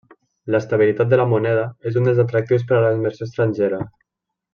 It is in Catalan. L'estabilitat de la moneda és un dels atractius per a la inversió estrangera.